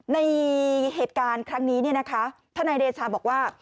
ในเหตุการณ์ครั้งนี้เนี่ยนะคะทนายเดชาบอกว่า